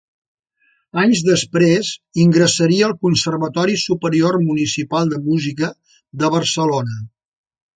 Anys després ingressaria al Conservatori Superior Municipal de Música de Barcelona.